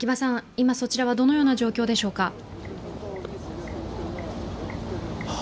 今、そちらはどのような状況でしょうか？